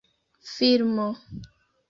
filmo